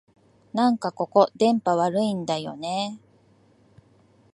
なんかここ、電波悪いんだよねえ